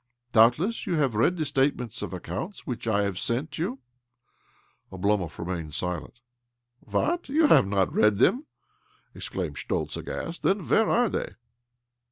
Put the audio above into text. Doubtless you have read the statements of accounts which I have sent you?" Oblomov remained silent. "What? You have not read them?" exclaimed Schtoltz, aghast. " Then where are they?